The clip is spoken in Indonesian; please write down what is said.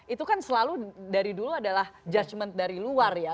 itu kan selalu dari dulu adalah judgement dari luar ya